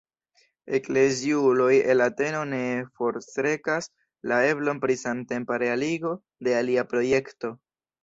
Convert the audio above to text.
Ekleziuloj el Ateno ne forstrekas la eblon pri samtempa realigo de alia projekto.